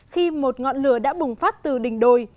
khi một ngọn lửa đã bùng phát từ đỉnh đồi